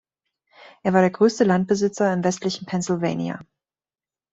Er war der größte Landbesitzer im westlichen Pennsylvania.